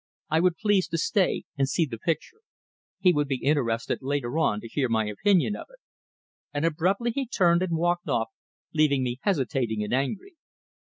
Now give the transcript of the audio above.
I would please to stay, and see the picture; he would be interested later on to hear my opinion of it. And abruptly he turned, and walked off, leaving me hesitating and angry.